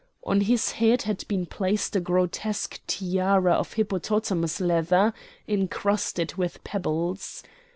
On his head had been placed a grotesque tiara of hippopotamus leather incrusted with pebbles.